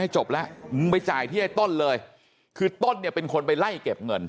ให้จบแล้วนึงไปจ่ายที่มาก่อนเลยคือต้นเป็นคนไปไล่